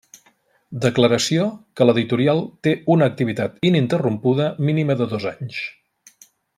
Declaració que l'editorial té una activitat ininterrompuda mínima de dos anys.